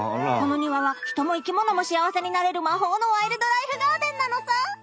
この庭は人も生きものも幸せになれる魔法の「ワイルドライフガーデン」なのさ！